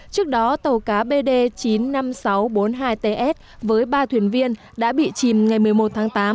trước đó tàu cá bd chín mươi năm nghìn sáu trăm bốn mươi hai ts với ba thuyền viên đã bị chìm ngày một mươi một tháng tám